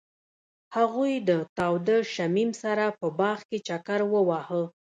هغوی د تاوده شمیم سره په باغ کې چکر وواهه.